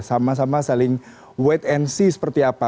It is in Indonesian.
sama sama saling wait and see seperti apa